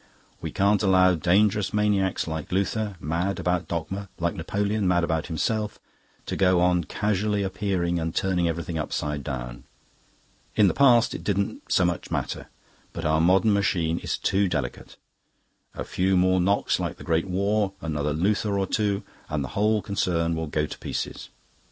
We can't allow dangerous maniacs like Luther, mad about dogma, like Napoleon, mad about himself, to go on casually appearing and turning everything upside down. In the past it didn't so much matter; but our modern machine is too delicate. A few more knocks like the Great War, another Luther or two, and the whole concern will go to pieces.